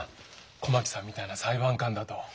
小牧さんみたいな裁判官だと。